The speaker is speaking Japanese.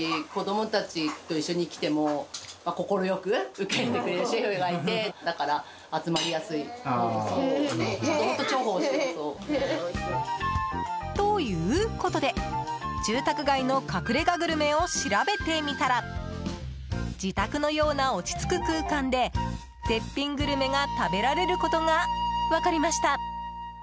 お味はいかがですか？ということで、住宅街の隠れ家グルメを調べてみたら自宅のような落ち着く空間で絶品グルメが食べられることが分かりました！